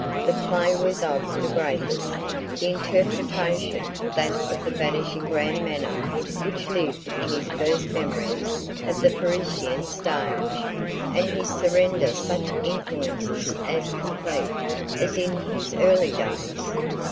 The play was of the greatest, the interpretation that of the vanishing grand manner which lived in his first memories of the Parisian stage, and his surrender such influences as complete as in his early days.